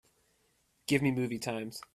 Give me movie times